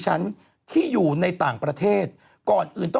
จากธนาคารกรุงเทพฯ